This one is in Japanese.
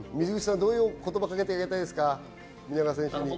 どういう言葉をかけてあげたいですか？